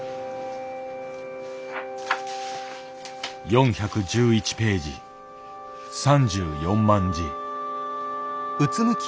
４１１ページ３４万字。